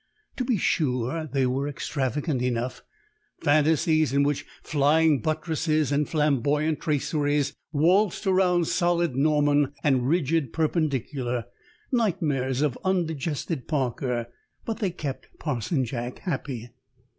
To be sure, they were extravagant enough, fantasies in which flying buttresses and flamboyant traceries waltzed around solid Norman and rigid Perpendicular, nightmares of undigested Parker. But they kept Parson Jack happy.